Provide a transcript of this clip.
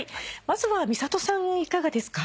まずは美里さんいかがですか？